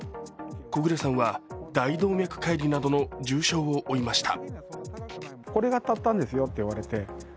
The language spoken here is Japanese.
木暮さんは大動脈解離などの重傷を負いました。